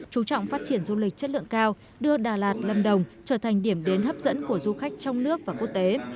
chú trọng phát triển du lịch chất lượng cao đưa đà lạt lâm đồng trở thành điểm đến hấp dẫn của du khách trong nước và quốc tế